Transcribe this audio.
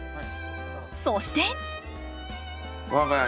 そして。